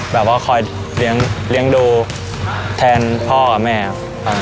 แบบว่าคอยเลี้ยงดูแทนพ่อกับแม่ครับ